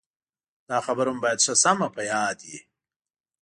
دا خبره مو باید ښه سمه په یاد وي.